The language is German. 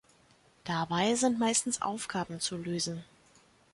Dabei sind meistens Aufgaben zu lösen.